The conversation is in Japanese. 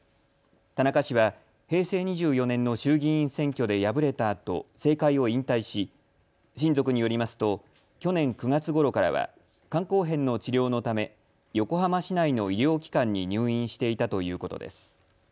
田中氏は平成２４年の衆議院選挙で敗れたあと政界を引退し、親族によりますと去年９月ごろからは肝硬変の治療のため横浜市内の医療機関に入院していたということです。